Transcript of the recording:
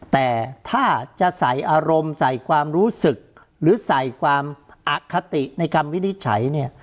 แต่ถ้าจะใส่อารมณ์ใส่ความรู้สึกหรือใส่ความอคติในคำวินิจฉัยเนี่ย